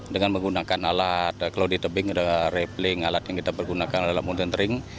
dengan menggunakan alat kalau di tebing ada rafling alat yang kita gunakan adalah mountain ring